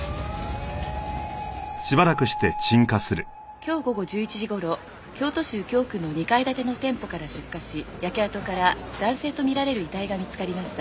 「今日午後１１時頃京都市右京区の２階建ての店舗から出火し焼け跡から男性とみられる遺体が見つかりました」